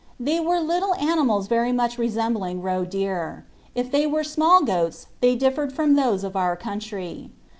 They were little animals very much resembling roe deer : if they were small goats they differed from those of our country.